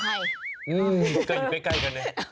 มันอยู่ใกล้เกิดไหน